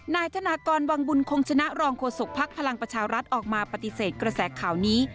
นายธนากรวังบุญคงชนะรองโฆษกภักดิ์พลังประชารัฐออกมาปฏิเสธกระแสข่าวนี้